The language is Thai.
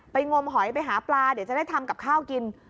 งมหอยไปหาปลาเดี๋ยวจะได้ทำกับข้าวกิน